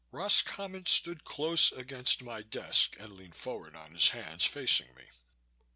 Roscommon stood close against my desk and leaned forward on his hands, facing me.